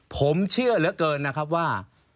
ผมเชื่อเหลือเกินนะครับว่า